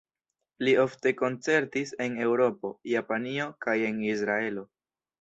Li ofte koncertis en Eŭropo, Japanio kaj en Izraelo.